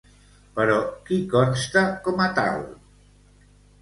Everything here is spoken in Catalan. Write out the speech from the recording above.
Però qui consta com a tal?